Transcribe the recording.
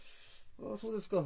そうですか。